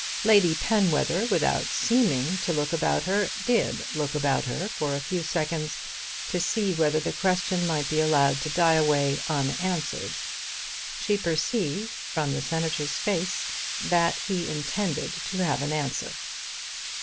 Lady Penwether, without seeming to look about her, did look about her for a few seconds to see whether the question might be allowed to die away unanswered. She perceived, from the Senator's face, that he intended to have an answer.